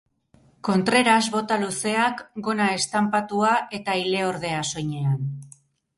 Contreras bota luzeak, gona estanpatua eta ileordea soinean.